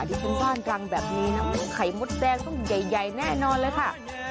ที่เป็นบ้านรังแบบนี้นะไข่มดแดงต้องใหญ่แน่นอนเลยค่ะ